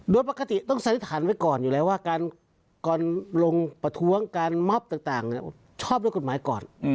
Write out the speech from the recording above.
โดยปกติต้องสันนิษฐานไว้ก่อนอยู่แล้วว่าก่อนลงประท้วงการมอบต่างชอบด้วยกฎหมายก่อน